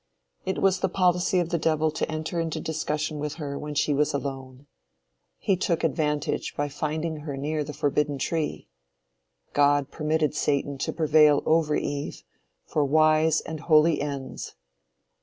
It was the policy of the devil to enter into discussion with her when she was alone. He took advantage by finding her near the forbidden tree. God permitted Satan to prevail over Eve, for wise and holy ends.